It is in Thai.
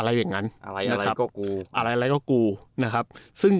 อะไรอย่างงั้นอะไรอะไรก็กูอะไรอะไรก็กูนะครับซึ่ง